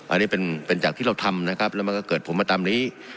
อันนี้เป็นจากที่เราทำนะครับแล้วมันก็เกิดผมมาตามนี้